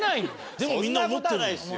でもみんな思ってるんですよ。